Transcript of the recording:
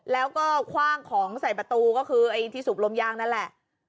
แล้วก็คว่างของใส่ประตูก็คือไอ้ที่สูบลมยางนั่นแหละ